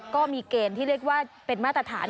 ก็มีเกณฑ์ที่เรียกว่าเป็นมาตรฐาน